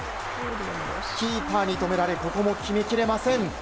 キーパーに止められここも決めきれません。